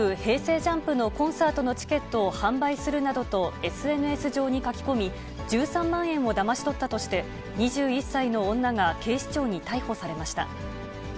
ＪＵＭＰのコンサートのチケットを販売するなどとＳＮＳ上に書き込み、１３万円をだまし取ったとして、２１歳の女が警視庁に逮捕されました。